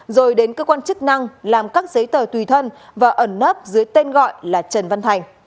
rồi đến cơ quan chức năng làm các giấy tờ tùy thân và ẩn nấp dưới tên gọi là trần văn thành